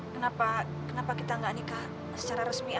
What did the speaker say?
kenapa kenapa kita nggak nikah secara resmi aja